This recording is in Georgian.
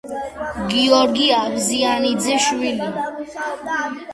გიორგი აბზიანიძის შვილი.